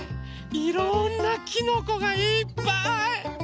いろんなきのこがいっぱい！